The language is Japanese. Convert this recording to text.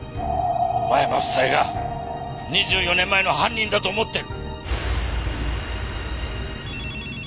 間山夫妻が２４年前の犯人だと思ってる。